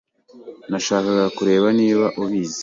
Nashakaga kureba niba ubizi.